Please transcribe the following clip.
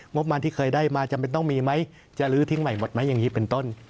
บมันที่เคยได้มาจำเป็นต้องมีไหมจะลื้อทิ้งใหม่หมดไหมอย่างนี้เป็นต้น